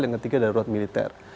yang ketiga daurat militer